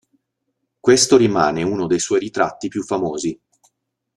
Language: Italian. Questo rimane uno dei suoi ritratti più famosi.